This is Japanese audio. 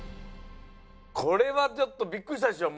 これはちょっとびっくりしたでしょ？